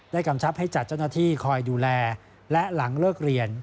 กำชับให้จัดเจ้าหน้าที่คอยดูแลและหลังเลิกเรียน